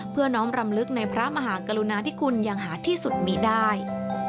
น้องรำลึกในพระมหากรุณาที่คุณอย่างหาที่สุดมีได้